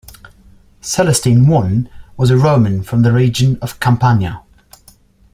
Celestine I was a Roman from the region of Campania.